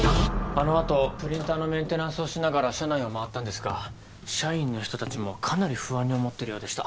あのあとプリンターのメンテナンスをしながら社内を回ったんですが社員の人たちもかなり不安に思ってるようでした。